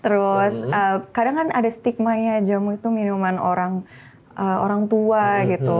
terus kadang kan ada stigmanya jamu itu minuman orang tua gitu